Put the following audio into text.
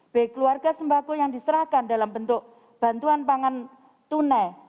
baik keluarga sembako yang diserahkan dalam bentuk bantuan pangan tunai